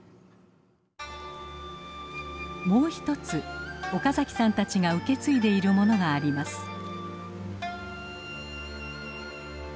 もう一つ岡崎さんたちが受け継いでいるものがあります。